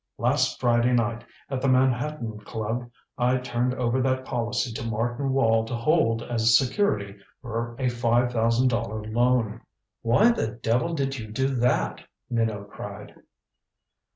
Last Friday night at the Manhattan Club I turned over that policy to Martin Wall to hold as security for a five thousand dollar loan." "Why the devil did you do that?" Minot cried.